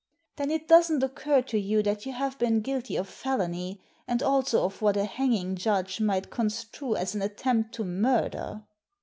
" Then it doesn't occur to you that you have been guilty of felony, and also of what a hanging judge might construe as an attempt to murder?"